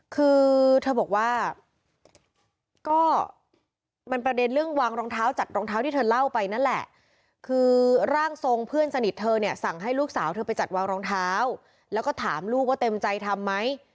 คือเธอบอกว่าก็มันประเด็นเรื่องวางรองเท้าจัดรองเท้าที่เธอเล่าไปนั่นแหละคือร่างทรงเพื่อนสนิทเธอเนี่ยสั่งให้ลูกสาวเธอไปจัดวางรองเท้าแล้วก็ถามลูกว่าเต็มใจทำไหม